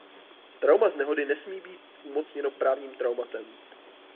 Trauma z nehody nesmí být umocněno právním traumatem.